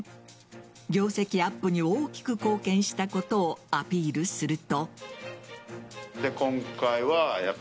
業績アップに大きく貢献したことをアピールすると。